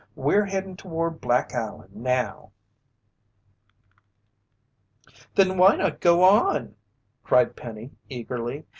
We're headin' toward Black Island now." "Then why not go on?" cried Penny eagerly.